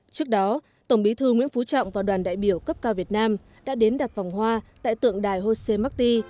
trước đó tổng bí thư nguyễn phú trọng và đoàn đại biểu cấp cao việt nam đã đến đặt vòng hoa tại tượng đài hose marti